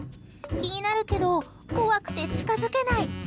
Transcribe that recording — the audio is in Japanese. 気になるけど怖くて近づけない。